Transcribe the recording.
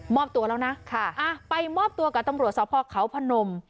มอบตัวแล้วนะค่ะไปมอบตัวกับตำรวจสาวพ่อเขาพนม